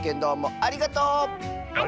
ありがとう！